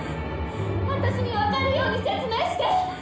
私にわかるように説明して！